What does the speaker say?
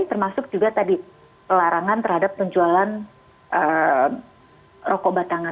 termasuk juga tadi pelarangan terhadap penjualan rokok batangan